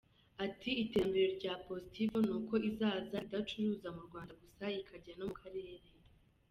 Ati “Iterambere rya Positivo nuko izaza idacuruza mu Rwanda gusa ikajya no mu karere.